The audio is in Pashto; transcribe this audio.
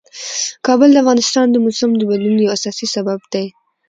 کابل د افغانستان د موسم د بدلون یو اساسي سبب دی.